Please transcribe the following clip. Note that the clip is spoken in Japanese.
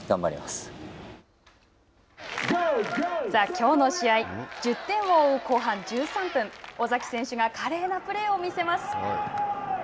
きょうの試合１０点を追う後半１３分、尾崎選手が華麗なプレーを見せます。